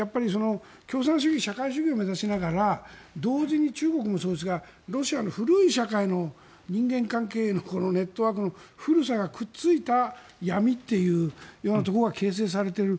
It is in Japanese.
共産主義社会主義を目指しながら同時に中国もそうですがロシアの古い社会の人間関係のネットワークの古さがくっついた闇というようなところが形成されている。